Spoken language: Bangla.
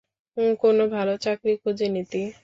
কোন ভালো চাকরি খুঁজে নিতি?